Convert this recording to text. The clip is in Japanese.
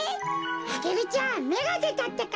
アゲルちゃんめがでたってか。